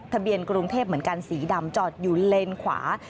ทะเบียนกรุงเทพฯเหมือนกันสีดำจอดอยู่เลนส์ขวา